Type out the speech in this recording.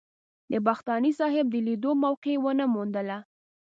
د بختاني صاحب د لیدو موقع ونه موندله.